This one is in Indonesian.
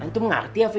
ani tuh ngerti ya